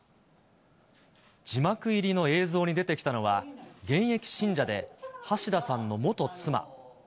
字幕入りの映像に出てきたのは、現役信者で橋田さんの元妻。